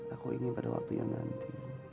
aku ingin pada waktu yang nanti